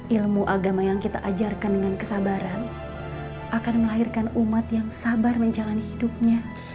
ilmu agama yang kita ajarkan dengan kesabaran akan melahirkan umat yang sabar menjalani hidupnya